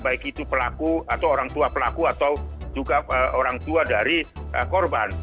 baik itu pelaku atau orang tua pelaku atau juga orang tua dari korban